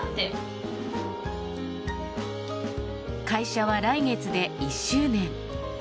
会社は来月で１周年。